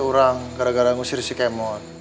orang gara gara ngusir si kemot